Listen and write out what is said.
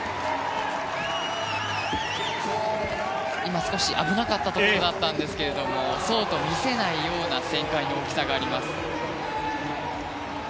今少し危なかったところがあったんですがそうと見せないような旋回の大きさがあります。